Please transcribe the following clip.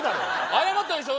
謝ったでしょ！